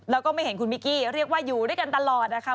แล้วก็ไม่เห็นคุณมิกกี้เรียกว่าอยู่ด้วยกันตลอดนะคะ